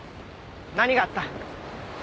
何があった？